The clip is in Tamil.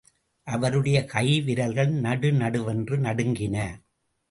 அவருடைய கை விரல்கள் நடுநடுவென்று நடுங்கின.